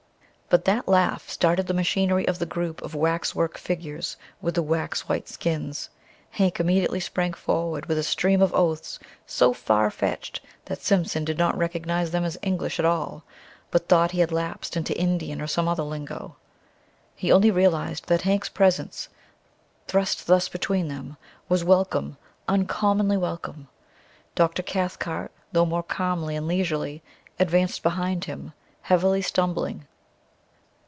But that laugh started the machinery of the group of waxwork figures with the wax white skins. Hank immediately sprang forward with a stream of oaths so farfetched that Simpson did not recognize them as English at all, but thought he had lapsed into Indian or some other lingo. He only realized that Hank's presence, thrust thus between them, was welcome uncommonly welcome. Dr. Cathcart, though more calmly and leisurely, advanced behind him, heavily stumbling.